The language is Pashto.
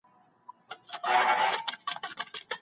موږ ډېري مڼې نه راوړي.